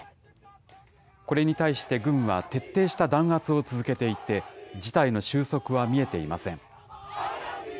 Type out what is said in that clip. これに対して軍は、徹底した弾圧を続けていて、事態の収束は見えていません。